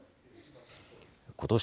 ことし